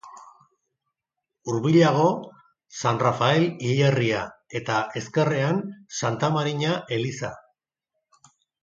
Hurbilago San Rafael hilerria eta, ezkerrean, Santa Marina eliza.